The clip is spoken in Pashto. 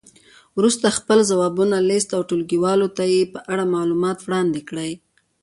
وروسته خپل ځوابونه لیست او ټولګیوالو ته یې په اړه معلومات وړاندې کړئ.